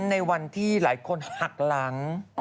ในวันที่หลายคนหักหลัง